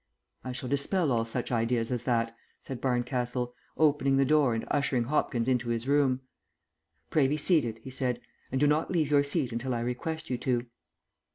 "I shall dispel all such ideas as that," said Barncastle, opening the door and ushering Hopkins into his room. "Pray be seated," he said, "and do not leave your seat until I request you to."